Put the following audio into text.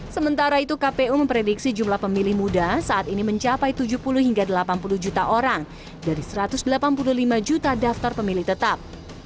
sementara itu kpu memprediksi jumlah pemilih muda saat ini mencapai tujuh puluh hingga delapan puluh juta orang dari satu ratus delapan puluh lima juta daftar pemilih tetap